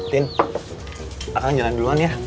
tin akang jalan duluan ya